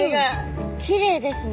きれいですね。